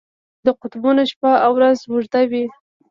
د قطبونو شپه او ورځ اوږده وي.